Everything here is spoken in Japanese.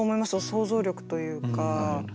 想像力というか。